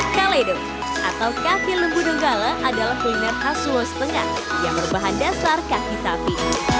kale do atau kaki lembu donggala adalah kuliner khas suho setengah yang berbahan dasar kaki sapi